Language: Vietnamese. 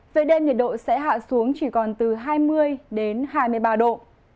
về đêm nhiệt độ sẽ hạ xuống chỉ còn từ hai mươi đến hai mươi ba độ